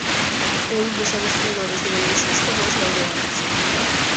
É un dos adestradores de baloncesto máis laureados.